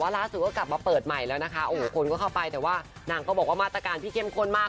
มาเปิดใหม่แล้วนะคะโอ้โหคนก็เข้าไปแต่ว่านางก็บอกว่ามาตรการพี่เข้มคนมาก